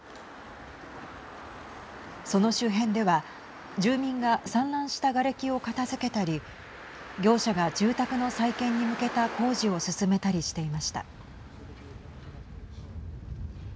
その周辺では、住民が散乱したがれきを片づけたり業者が住宅の再建に向けた工事を進めたりしていました。